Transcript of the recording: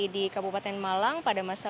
di kabupaten malang pada masa